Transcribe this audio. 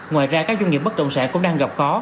ngoài ra các doanh nghiệp bất động sản cũng đang gặp khó